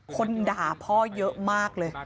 คนด่าพ่อเยอะมากเลย